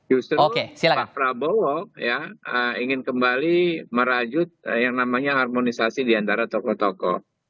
justru pak prabowo ingin kembali merajut yang namanya harmonisasi diantara tokoh tokoh